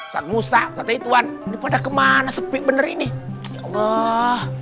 vusa ketanya tuhan pada ke mana sempit benerin nih